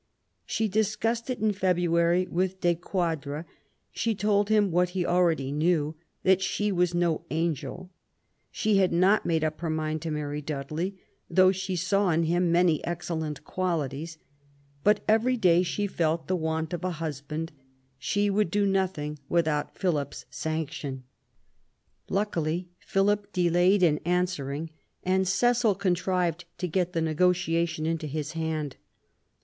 She discussed it in February' with De Quadra ; she told him, what he already knew, that she was no angel ; she had not made up her mind to marry Dudley, though she saw in him many excellent qualities ; but every day she felt the want of a husband : she would do nothing without Philip's sanction. Luckily Philip delayed in answering, and Cecil contrived to get the negotiation into his hand.